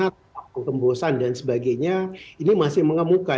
buat sana tempat pengembosan dan sebagainya ini masih mengemuka